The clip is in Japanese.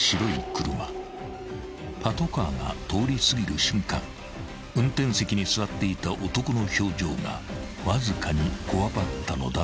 ［パトカーが通り過ぎる瞬間運転席に座っていた男の表情がわずかにこわばったのだという］